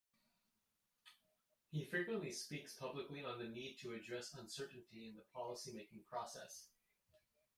He frequently speaks publicly on the need to address uncertainty in the policy-making process.